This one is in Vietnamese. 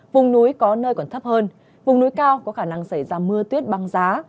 vùng núi có nơi còn thấp hơn vùng núi cao có khả năng xảy ra mưa tuyết băng giá